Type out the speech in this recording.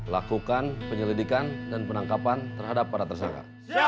lakukan penyelidikan dan penangkapan terhadap para tersangka